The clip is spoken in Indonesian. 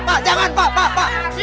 pak jangan pak pak